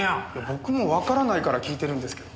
僕もわからないから聞いてるんですけど。